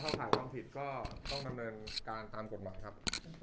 ทุรกรรมความผิดของสินค้ามาเป็นจำนวนมากนะครับ